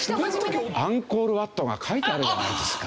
アンコールワットが描いてあるじゃないですか！